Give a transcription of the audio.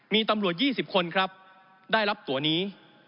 มีตำรวจ๒๐คนครับได้รับตัวนี้